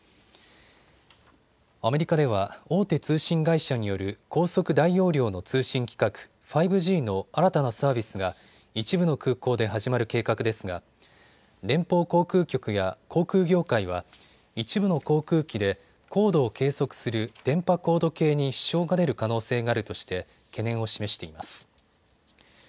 アメリカでは大手通信会社による高速・大容量の通信規格、５Ｇの新たなサービスが一部の空港で始まる計画ですが連邦航空局や航空業界は一部の航空機で高度を計測する電波高度計に支障が出る可能性があるとして懸念を示しています。